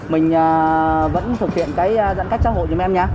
mình vẫn thực hiện cái giãn cách xã hội giùm em nha